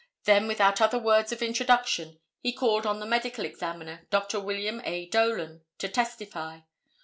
Then without other words of introduction he called on the Medical Examiner, Dr. William A. Dolan, to testify.